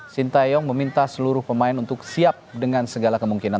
sintayong meminta seluruh pemain untuk siap dengan segala kemungkinan